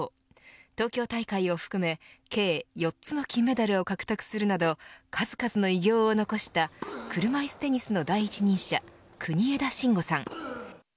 東京大会を含め計４つの金メダルを獲得するなど数々の偉業を残した車いすテニスの第一人者国枝慎吾さん。